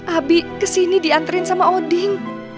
abi ke sini diantarin sama odin